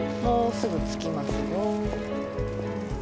もうすぐ着きますよ。